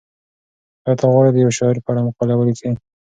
ایا ته غواړې د یو شاعر په اړه مقاله ولیکې؟